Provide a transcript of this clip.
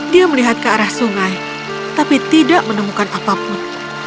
dia melihat ke arah sungai tapi tidak menemukan apapun